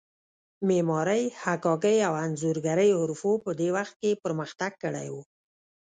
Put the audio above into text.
معمارۍ، حکاکۍ او انځورګرۍ حرفو په دې وخت کې پرمختګ کړی و.